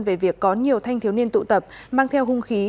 về việc có nhiều thanh thiếu niên tụ tập mang theo hung khí